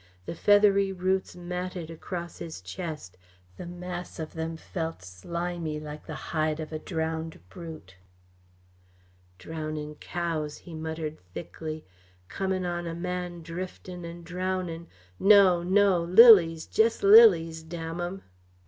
The feathery roots matted across his chest, the mass of them felt slimy like the hide of a drowned brute. "Drownin' cows" he muttered thickly "comin' on a man driftin' and drownin' no, no! Lilies, jest lilies damn 'em!"